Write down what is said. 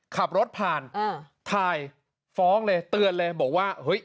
ขับรถผ่านอ่าถ่ายฟ้องเลยเตือนเลยบอกว่าเฮ้ย